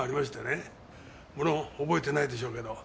無論覚えてないでしょうけど。